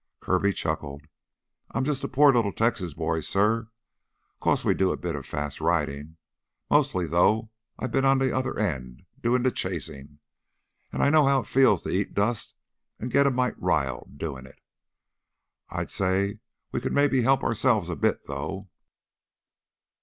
Kirby chuckled. "I'm jus' a poor little Texas boy, suh. 'Course we do a bit of fast ridin'. Mostly though I've been on the other end, doin' the chasin'. An' I know how it feels to eat dust an' git a mite riled doin' it. I'd say we could maybe help ourselves a bit though."